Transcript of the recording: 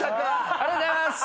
ありがとうございます。